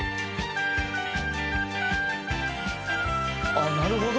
「あっなるほど！